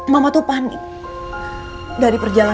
kalo aku jalan seseh dia gue bae warah nih